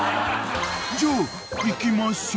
［じゃあいきまっせ］